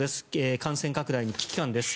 感染拡大に危機感です。